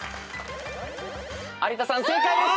有田さん正解です。